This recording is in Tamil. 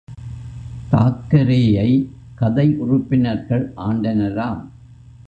தாக்கரேயை கதை உறுப்பினர்கள் ஆண்டனராம்.